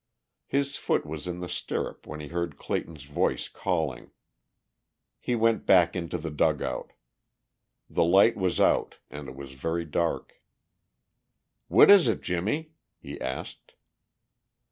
His foot was in the stirrup when he heard Clayton's voice calling. He went back into the dugout. The light was out and it was very dark. "What is it, Jimmie?" he asked.